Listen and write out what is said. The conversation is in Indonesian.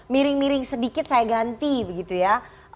miring miring sedikit saya ganti begitu ya